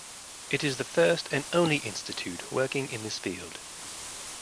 It is the first and only institute working in this field.